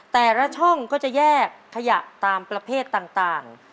แต่ละช่องก็จะแยกขยะตามประเภทต่าง